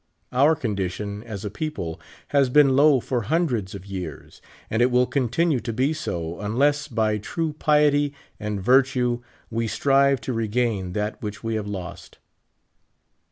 Our condition as a people has been low for hundreds of years, and it will continue to be so, unless, by true* piety and virtue, we strive to regain that which we have lost.